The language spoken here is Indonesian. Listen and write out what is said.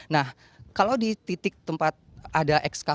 nah kalau di titik tempat ada eksklusi